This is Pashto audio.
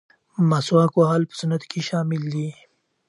مسواک وهل په سنتو کې شامل دي.